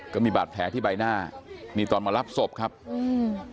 ก็มีบาดแผลที่ใบหน้านี่ตอนมารับศพครับอืม